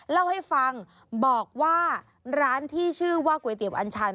เล่าให้ฟังบอกว่าร้านที่ชื่อว่าก๋วยเตี๋ยวอัญชัน